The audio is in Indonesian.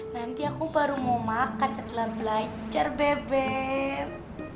nanti aku baru mau makan setelah belajar beb beb